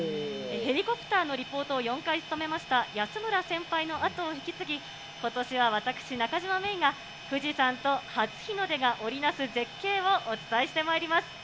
ヘリコプターのリポートを４回務めました安村先輩の後を引き継ぎ、ことしは私、中島芽生が、富士山と初日の出が織り成す絶景をお伝えしてまいります。